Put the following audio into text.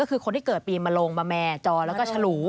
ก็คือคนที่เกิดปีมาลงมาแม่จอแล้วก็ฉลู